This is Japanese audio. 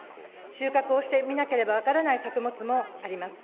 収穫をしてみなければ分からない作物もあります。